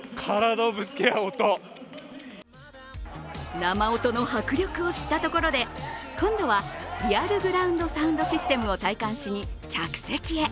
生音の迫力を知ったところで今度はリアル・グラウンド・サウンドシステムを体感しに客席へ。